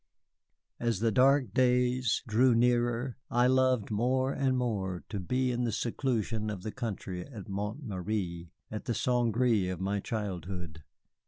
As the dark days drew nearer I loved more and more to be in the seclusion of the country at Montméry, at the St. Gré of my girlhood.